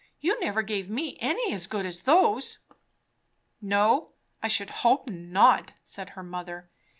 "You never gave me any as good as those." "No, I should hope not," said her mother.